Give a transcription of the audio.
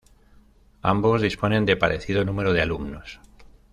Ambos disponen de parecido número de alumnos.